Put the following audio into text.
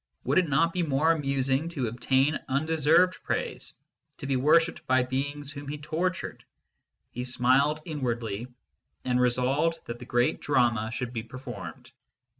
Would it not be more amusing to obtain undeserved praise, to be worshipped by beings whom he tortured ? He smiled inwardly, and resolved that the great drama should be performed.